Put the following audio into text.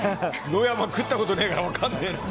野山食ったことねえから分かんない。